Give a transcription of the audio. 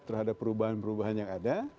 terhadap perubahan perubahan yang ada